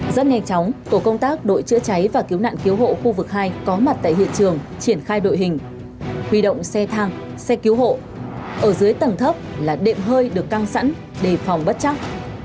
rất nhanh chóng tổ công tác đội chữa cháy và cứu nạn cứu hộ khu vực hai có mặt tại hiện trường triển khai đội hình huy động xe thang xe cứu hộ ở dưới tầng thấp là đệm hơi được căng sẵn để phòng bất chắc